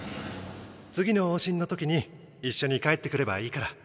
次の往診の時に一緒に帰ってくればいいから。